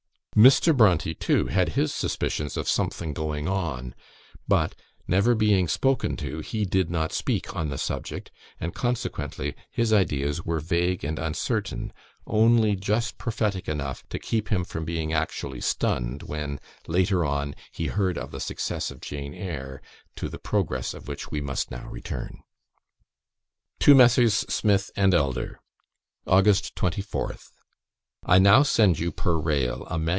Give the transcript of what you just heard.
Mr. Brontë, too, had his suspicions of something going on; but, never being spoken to, he did not speak on the subject, and consequently his ideas were vague and uncertain, only just prophetic enough to keep him from being actually stunned when, later on, he heard of the success of "Jane Eyre"; to the progress of which we must now return. To MESSRS. SMITH AND ELDER. "August 24th. "I now send you per rail a MS.